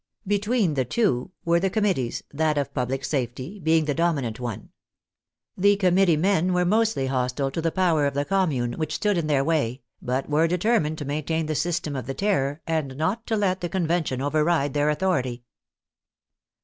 Between the two were the committees, that of " public safety " being the domi nant one. The committee men were mostly hostile to the power of the Commune, which stood in their way, but were determined to maintain the system of the Terror, and not to let the Convention override their authority.